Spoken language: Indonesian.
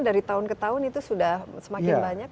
dari tahun ke tahun itu sudah semakin banyak